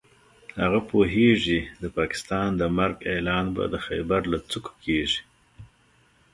هغه پوهېږي د پاکستان د مرګ اعلان به د خېبر له څوکو کېږي.